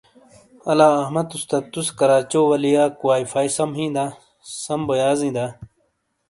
الہ احمد استاد تُوسے کراچیو والیاک وائی فائی سَم ہیں دا؟ سم بو یازیں دا؟